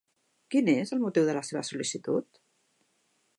Quin és el motiu de la seva sol·licitud?